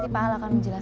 menjadi lawan nino